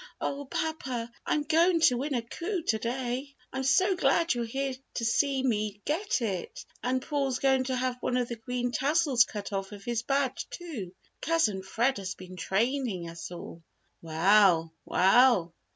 "Oh, papa! I'm going to win a coup to day! I'm so glad you're here to see me get it. And Paul's going to have one of the green tassels cut off his badge, too. Cousin Fred has been training us all." "Well, well!